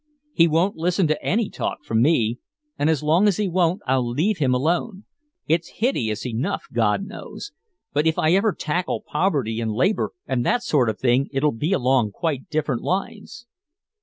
He won't listen to any talk from me and as long as he won't I'll leave him alone. It's hideous enough God knows. But if I ever tackle poverty and labor and that sort of thing it'll be along quite different lines."